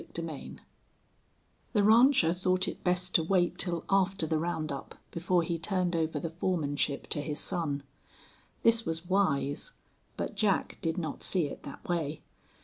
CHAPTER III The rancher thought it best to wait till after the round up before he turned over the foremanship to his son. This was wise, but Jack did not see it that way.